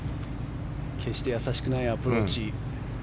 決して易しくないアプローチ。